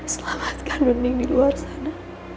selamatkan bening di luar sana